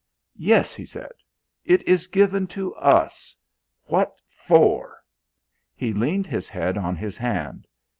"Yes," he said, "it is given to us.... What for?" He leaned his head on his hand.